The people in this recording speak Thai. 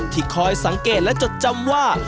คอยสังเกตและจดจำว่า